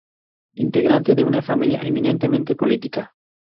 Integrante de una familia eminentemente política.